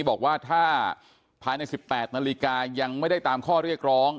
บอกว่าถ้าภายใน๑๘นาฬิกายังไม่ได้ตามข้อเรียกร้อง